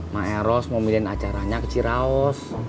maeros mau milihin acaranya ke ciraos